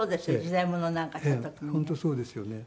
本当そうですよね。